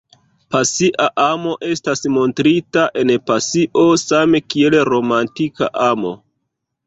Pasia amo estas montrita en pasio same kiel romantika amo.